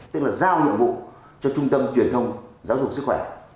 tức là giao nhiệm vụ cho trung tâm truyền thông giáo dục sức khỏe của các tỉnh